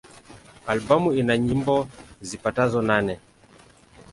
Albamu ina nyimbo zipatazo nane.